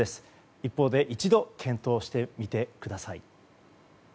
一方、一度検討してみてください。